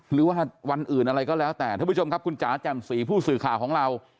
หรือว่าวันอื่นอะไรก็แล้วแต่ท่านผู้ชมครับคุณจ๋าแจ่มสีผู้สื่อข่าวของเรา